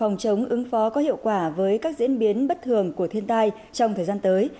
phòng chống ứng phó có hiệu quả với các diễn biến bất thường của thiên tai trong thời gian tới